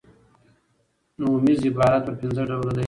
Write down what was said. نومیز عبارت پر پنځه ډوله دئ.